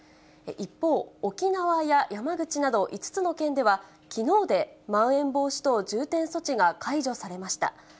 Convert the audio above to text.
一方、沖縄や山口など５つの県では、きのうでまん延防止等重点措置が解除されました。